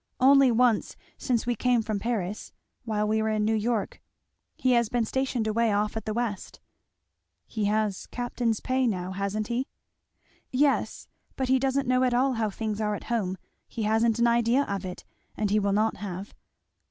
"Only once since we came from Paris while we were in New York. He has been stationed away off at the West." "He has a captain's pay now, hasn't he?" "Yes, but he doesn't know at all how things are at home he hasn't an idea of it, and he will not have.